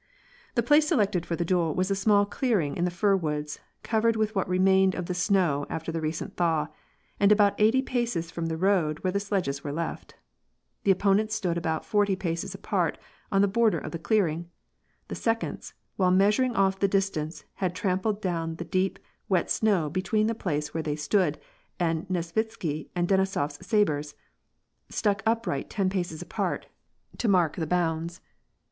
The place selected for the duel was a small clearing in the fir woods, covered with what remained of the snow after the recent thaw, and about eighty paces from the road where the sledges were left. The opponents stood about forty paces apart on the border of the clearing. The seconds, while meaa* uring off the distance, had trampled down the deep, wet snow between the place where they stood and Nesvitsky's and Denisof's sabres, stuck upright ten paces apart, to mark the WAH AND PkACe. 25 bounds.